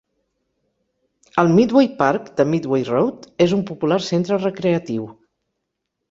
El Midway Park de Midway Road és un popular centre recreatiu.